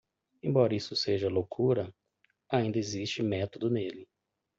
Embora isso seja loucura? ainda existe método nele